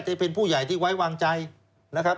ที่เป็นผู้ใหญ่ที่ไว้วางใจนะครับ